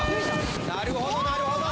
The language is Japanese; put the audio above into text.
なるほどなるほど。